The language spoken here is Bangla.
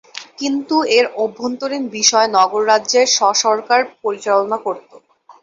কিন্তু এর অভ্যন্তরীণ বিষয় নগর রাজ্যের স্ব-সরকার পরিচালনা করতো।